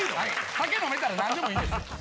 酒飲めたら何でもいいんですよ。